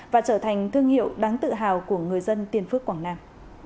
và trở thành thương hiệu đáng tự hào của người dân tiền phước quảng nam